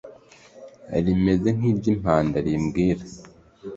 rimeze nk’iry’impanda rimbwira